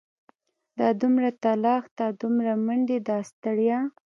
دا دومره تلاښ دا دومره منډې دا ستړيا.